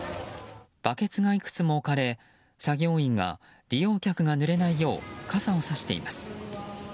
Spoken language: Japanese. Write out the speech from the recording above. バケツがいくつも置かれ作業員が利用客がぬれないよう傘をさしています。